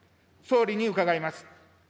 総理に伺います。